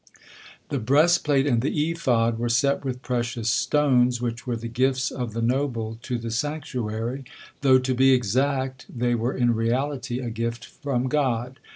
The breastplate and the ephod were set with precious stones, which were the gifts of the noble to the sanctuary, though, to be exact, they were in reality a gift from God.